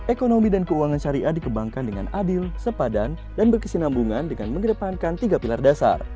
ekonomi dan keuangan syariah dikembangkan dengan adil sepadan dan berkesinambungan dengan mengedepankan tiga pilar dasar